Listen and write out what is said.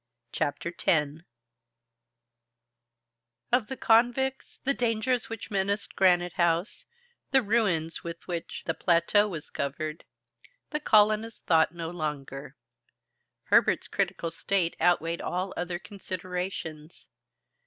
Chapter 10 Of the convicts, the dangers which menaced Granite House, the ruins with which the plateau was covered, the colonists thought no longer. Herbert's critical state outweighed all other considerations.